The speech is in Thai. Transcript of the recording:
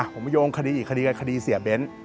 ผมโยงคดีอีกคดีกันคดีเสียเบ้น